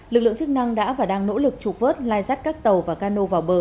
lực lượng chức năng đã và đang nỗ lực trục vớt lai rắt các tàu và cano vào bờ